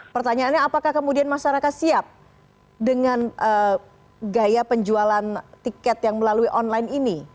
pertanyaannya apakah kemudian masyarakat siap dengan gaya penjualan tiket yang melalui online ini